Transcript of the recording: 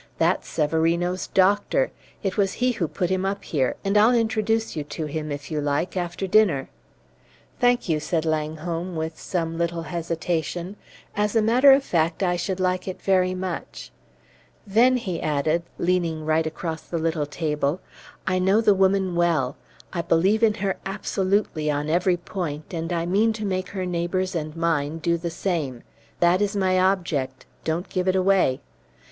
That's Severino's doctor; it was he who put him up here; and I'll introduce you to him, if you like, after dinner." "Thank you," said Langholm, after some little hesitation; "as a matter of fact, I should like it very much. Venn," he added, leaning right across the little table, "I know the woman well! I believe in her absolutely, on every point, and I mean to make her neighbors and mine do the same. That is my object don't give it away!"